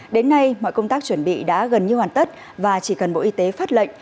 đến nay mọi công tác chuẩn bị đã gần như hoàn tất và chỉ cần bộ y tế phát lệnh